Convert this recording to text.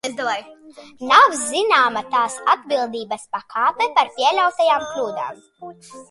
Nav zināma tās atbildības pakāpe par pieļautajām kļūdām.